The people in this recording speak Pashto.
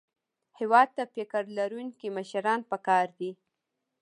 هېواد ته فکر لرونکي مشران پکار دي